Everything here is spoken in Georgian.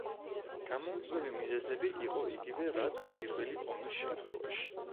გამომწვევი მიზეზები იყო იგივე რაც პირველი ომის შემთხვევაში.